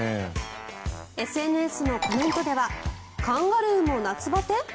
ＳＮＳのコメントではカンガルーも夏バテ？